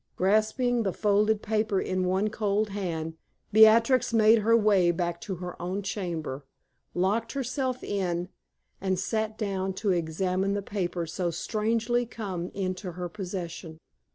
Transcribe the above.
Grasping the folded paper in one cold hand, Beatrix made her way back to her own chamber, locked herself in, and sat down to examine the paper so strangely come into her possession.